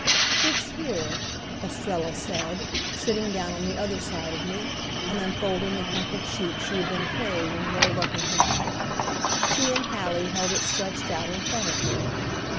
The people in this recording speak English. "It's here," Estrella said, sitting down on the other side of me, and unfolding the crumpled sheet she had been carrying rolled up in her hand. She and Hallie held it stretched out in front of me.